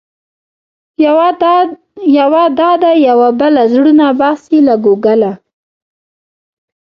یوه دا ده يوه بله، زړونه باسې له ګوګله